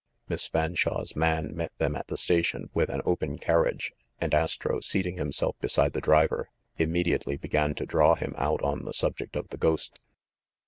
Miss Fanshawe's man met them at the station with an open carriage, and Astro, seating himself beside the driver, immediately began to draw him out on the subject of the ghost.